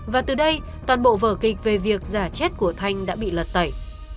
và từ đây toàn bộ vở kịch về việc giả chết của thanh đã bị lật tẩy